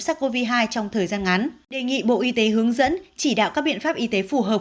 sars cov hai trong thời gian ngắn đề nghị bộ y tế hướng dẫn chỉ đạo các biện pháp y tế phù hợp